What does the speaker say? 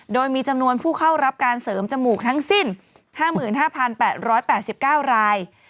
โดยมีจำนวนผู้เข้ารับการเสริมจมูกทั้งสิ้น๕๕๘๘๙ราย